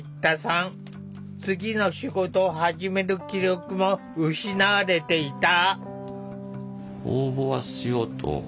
次の仕事を始める気力も失われていた。